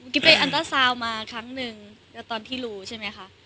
กิ๊บเต้นอันเตอร์ซาวน์มาครั้งนึงตอนที่รู้ใช่ไหมคะ